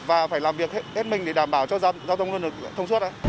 và phải làm việc hết mình để đảm bảo cho giao thông luôn được thông suốt